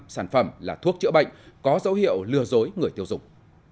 sản phẩm là thuốc chữa bệnh có dấu hiệu lừa dối người tiêu dùng